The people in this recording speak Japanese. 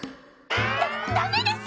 ダダメです！